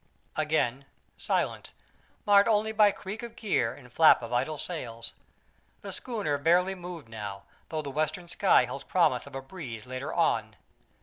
Again silence, marred only by creak of gear and flap of idle sails. The schooner barely moved now, though the western sky held promise of a breeze later on.